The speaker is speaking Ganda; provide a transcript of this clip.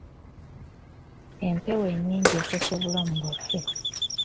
Empewo enyingi ekosa obulamu bwaffe.